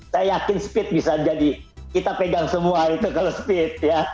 saya yakin speed bisa jadi kita pegang semua itu kalau speed ya